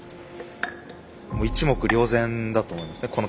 一目瞭然だと思いますね